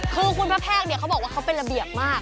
คือคุณแพร่แพกเขาบอกว่าเขาเป็นระเบียงมาก